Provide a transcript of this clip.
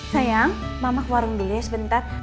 sayang mama ke warung dulu ya sebentar